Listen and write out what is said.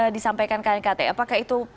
disampaikan knkt apakah itu